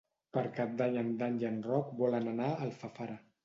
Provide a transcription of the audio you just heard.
Per Cap d'Any en Dan i en Roc volen anar a Alfafara.